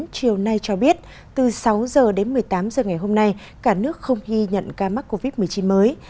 chiều nay cho biết từ sáu h đến một mươi tám h ngày hôm nay cả nước không ghi nhận ca mắc covid một mươi chín mới